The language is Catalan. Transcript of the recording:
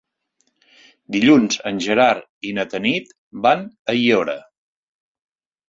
Dilluns en Gerard i na Tanit van a Aiora.